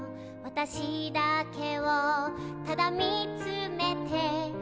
「私だけをただ見つめて」